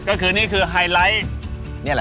ตอนนี้คือไฮไลต์